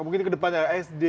mungkin ke depan ada sd